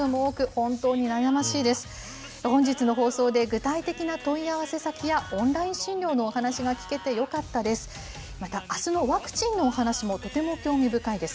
本日の放送で具体的な問い合わせ先や、オンライン診療のお話が聞けてよかったです。